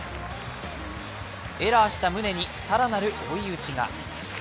エラーした宗に更なる追い打ちが。